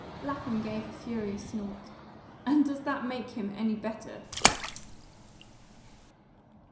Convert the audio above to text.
Lapham gave a furious snort. "And does that make him any better?"